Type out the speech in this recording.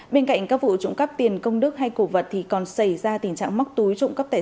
bên cạnh các vụ trộm cắp tiền công đức hay cổ vật thì còn xảy ra tình trạng móc túi trộm cắp tài sản